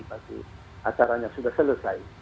pasti acaranya sudah selesai